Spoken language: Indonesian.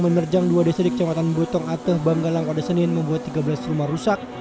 menerjang dua desa di kecamatan botong ateh banggalang pada senin membuat tiga belas rumah rusak